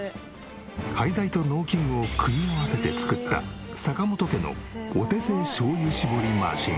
廃材と農機具を組み合わせて作った坂本家のお手製しょうゆ搾りマシン。